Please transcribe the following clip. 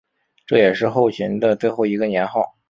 这也是后秦的最后一个年号。